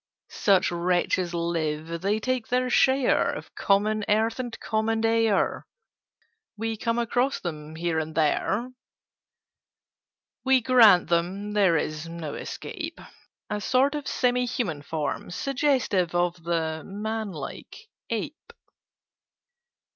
"Such wretches live: they take their share Of common earth and common air: We come across them here and there: "We grant them—there is no escape— A sort of semi human shape Suggestive of the man like Ape."